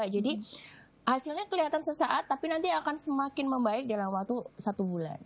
jadi hasilnya kelihatan sesaat tapi nanti akan semakin membaik dalam waktu satu bulan